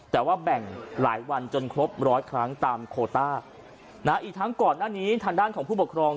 แต่ว่าแบ่งหลายวันจนครบร้อยครั้งตามโคต้านะอีกทั้งก่อนหน้านี้ทางด้านของผู้ปกครอง